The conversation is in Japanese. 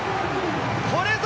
これぞ！